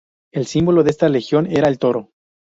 El símbolo de esta legión era el toro.